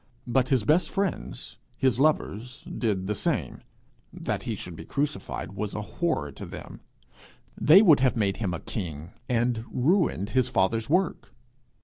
But his best friends, his lovers did the same. That he should be crucified was a horror to them; they would have made him a king, and ruined his father's work.